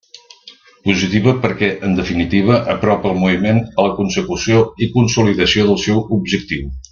Positiva perquè, en definitiva, apropa el moviment a la consecució i consolidació del seu objectiu.